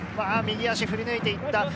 右足を振り抜いていった。